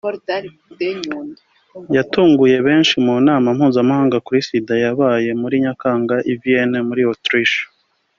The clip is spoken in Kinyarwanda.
yatunguye benshi mu nama mpuzamahanga kuri Sida yabaye muri Nyakanga i Vienne muri Autriche